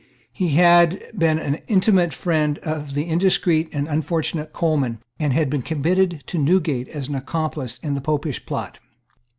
He had been an intimate friend of the indiscreet and unfortunate Coleman, and had been committed to Newgate as an accomplice in the Popish plot.